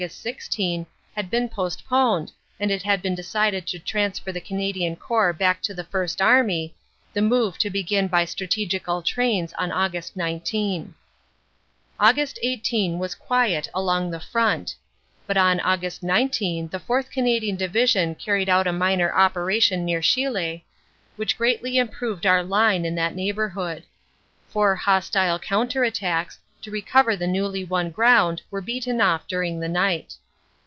16, had been postponed and it had been decided to transfer the Cana dian Corps back to the First Army, the move to begin by strategical trains on Aug. 19. "Aug. 18 was quiet along the front, but on Aug. 19 the 4th. Canadian Division carried out a minor operation near Chilly, which greatly improved our line in that neighborhood. Four hostile counter attacks to recover the newly won ground were beaten off during the night.